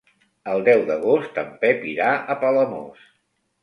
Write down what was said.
El deu d'agost en Pep irà a Palamós.